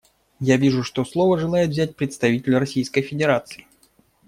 Я вижу, что слово желает взять представитель Российской Федерации.